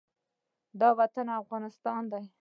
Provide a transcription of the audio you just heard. دا وطن افغانستان دی